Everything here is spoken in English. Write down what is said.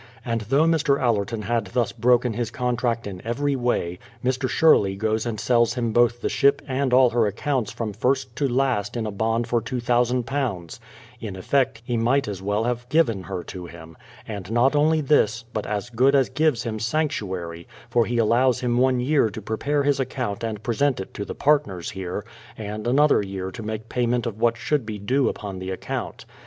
And though Mr. Allerton had thus broken his contract in every way, Mr. Sherley goes and sells him both the ship and all her accounts from first to last in a bond for £2000, — in effect he might as well have given her to him, — and not only this, but as good as gives him sanctuary, for he allows him one 3^ear to prepare his account and pre sent it to the partners here, and another year to make pay ment of what should be due upon the account.